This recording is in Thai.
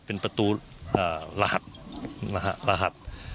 เป็นประตูรหัสนะครับ